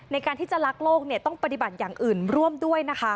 ในการที่จะรักโลกต้องปฏิบัติอย่างอื่นร่วมด้วยนะคะ